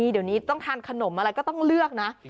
เดี๋ยวนี้ต้องทานขนมอะไรก็ต้องเลือกนะ